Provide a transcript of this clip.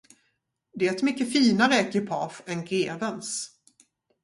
Det är ett mycket finare ekipage än grevens.